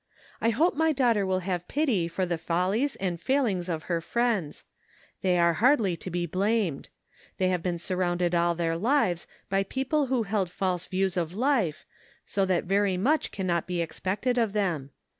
I hope my daughter will have pity for the follies and failings of her friends ; they are hardly to be blamed. They have been surrounded all their lives by people who held false views of l\fe, so that very much cannot be expected of them.